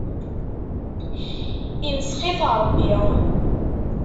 Imsex-it Ṛebbi.